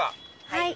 はい！